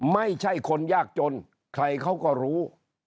ไม่ใช่คนยากจนใครเขาก็รู้